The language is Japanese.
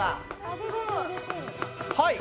はい！